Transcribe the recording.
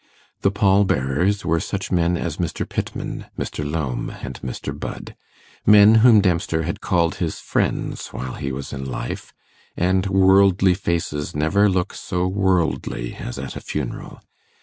The pall bearers were such men as Mr. Pittman, Mr. Lowme, and Mr. Budd men whom Dempster had called his friends while he was in life; and worldly faces never look so worldly as at a funeral.